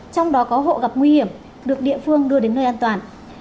trong đó có hộ gặp nguy hiểm được địa phương đưa đến nơi an toàn